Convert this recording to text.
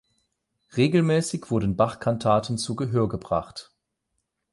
Regelmäßig wurden Bachkantaten zu Gehör gebracht.